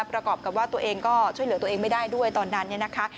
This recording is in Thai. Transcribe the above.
ประกอบกับว่าตัวเองก็ช่วยเหลือตัวเองไม่ได้ด้วยตอนนั้นเนี่ยนะคะ